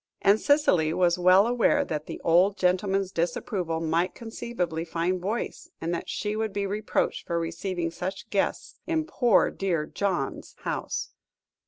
And Cicely was well aware that the old gentleman's disapproval might conceivably find voice, and that she would be reproached for receiving such guests in "poor dear John's" house.